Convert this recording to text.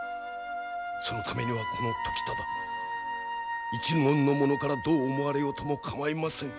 そのためにはこの時忠一門の者からどう思われようとも構いませぬ。